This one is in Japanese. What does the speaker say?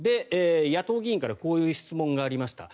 野党議員からこういった質問がありました。